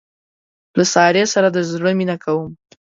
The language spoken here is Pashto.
له سارې سره د زړه نه مینه کوم.